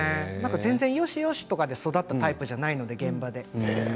全然よしよしというふうに育ったタイプではないので現場で。